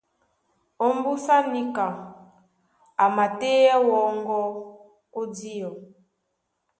Ómbúsá níka a matéɛ́ wɔ́ŋgɔ́ ó díɔ.